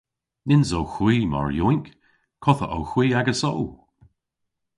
Nyns owgh hwi mar yowynk! Kottha owgh hwi agesso!